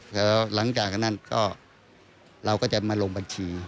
แล้วหลังจากนั้นก็เราก็จะมาลงบัญชี